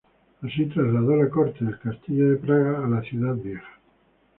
Así trasladó la corte del Castillo de Praga a la Ciudad Vieja.